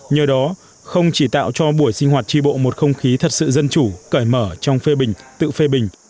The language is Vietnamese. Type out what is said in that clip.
nhờ đó không chỉ tạo cho buổi sinh hoạt tri bộ một không khí thật sự dân chủ cởi mở trong phê bình tự phê bình